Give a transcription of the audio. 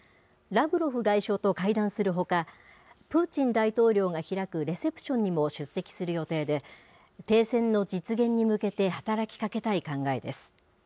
ラブロフ外相と会談するほか、プーチン大統領が開くレセプションにも出席する予定で、停戦の実現に向けて働きかけたい考えです。